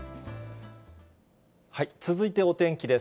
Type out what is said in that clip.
続いてお天気です。